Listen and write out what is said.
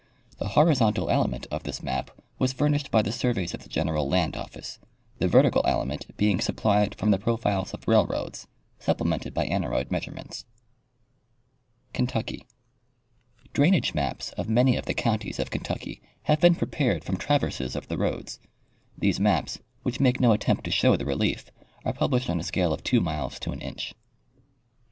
The horizontal element of this map was fur nished by the surveys of the General Land office, the vertical element being supplied from the profiles of railroads, supple mented by aneroid measurements. Kentucky. — Drainage maps of many of the counties of Ken le— Nat. Gkog. Mag., voi,. IV, 1892. no Henry Gannett — Mother Maps of the United States. tucky have been prepared from traverses of the roads. These maps, which make no attempt to show the rehef, are published on a scale of 2 miles to an inch.